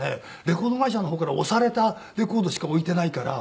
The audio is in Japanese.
レコード会社の方から推されたレコードしか置いていないから」。